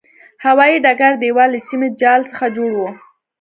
هوایي ډګر دېوال له سیمي جال څخه جوړ و.